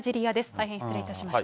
大変失礼いたしました。